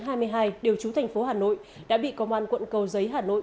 trong lúc một mươi tám đến hai mươi hai điều chú thành phố hà nội đã bị công an quận cầu giấy hà nội